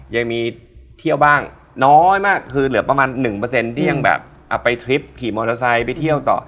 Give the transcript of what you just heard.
ยังมีเที่ยวบ้างน้อยมากคือเหลือประมาณ๑ที่ยังแบบเอาไปทริปขี่มอเตอร์ไซค์ไปเที่ยวต่อ